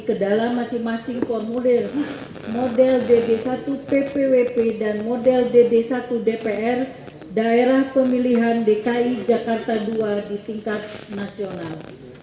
ke dalam masing masing formulir model dd satu ppwp dan model dd satu dpr daerah pemilihan dki jakarta ii di tingkat nasional